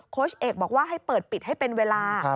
เอกบอกว่าให้เปิดปิดให้เป็นเวลา